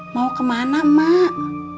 mau kemana mak